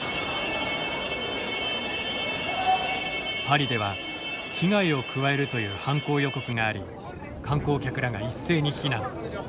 パリでは「危害を加える」という犯行予告があり観光客らが、一斉に避難。